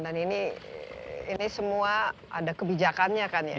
dan ini semua ada kebijakannya kan ya